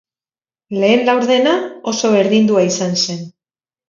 Lehen laurdena oso berdindua izan zen.